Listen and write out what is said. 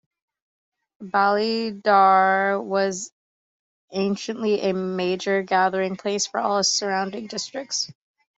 Ballysadare was anciently a major gathering place for all surrounding districts.